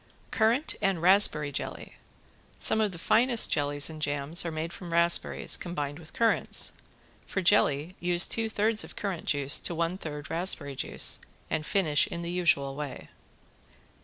~CURRANT AND RASPBERRY JELLY~ Some of the finest jellies and jams are made from raspberries combined with currants. For jelly use two thirds of currant juice to one third raspberry juice and finish in the usual way.